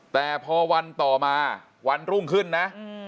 แต่พอวันต่อมาวันรุ่งขึ้นนะ